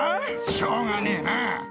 しょうがねえな。